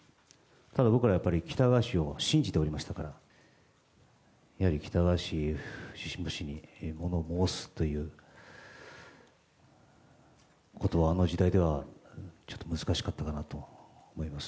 ただ僕らはやっぱり喜多川氏を信じておりましたから、やはり喜多川氏に物を申すということは、あの時代ではちょっと難しかったかなと思います。